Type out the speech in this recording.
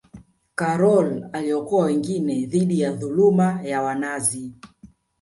Karol aliokoa wengine dhidi ya dhuluma ya wanazi